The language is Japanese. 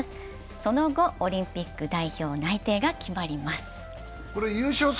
その後オリンピック代表内定が決まります。